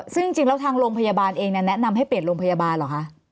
ซึ่งจริงแล้วทางโรงพยาบาลเองแนะนำให้เปลี่ยนโรงพยาบาลเหรอคะ